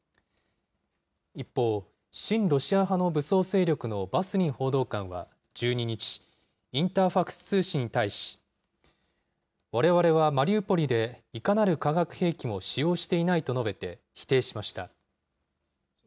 一方、親ロシア派の武装勢力のバスリン報道官は１２日、インターファクス通信に対し、われわれはマリウポリでいかなる化学兵器も使用していないと述べて、否定しました。